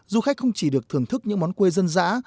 du khách không chỉ được thưởng thức những món quê dân dã